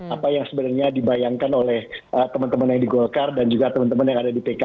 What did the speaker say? apa yang sebenarnya dibayangkan oleh teman teman yang di golkar dan juga teman teman yang ada di pkb